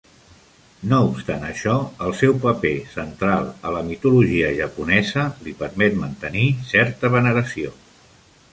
No obstant això, el seu paper central a la mitologia japonesa li permet mantenir certa veneració.